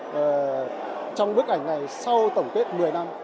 và trong bức ảnh này sau tổng kết một mươi năm